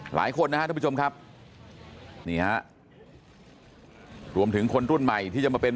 หลายคนนะฮะท่านผู้ชมครับนี่ฮะรวมถึงคนรุ่นใหม่ที่จะมาเป็น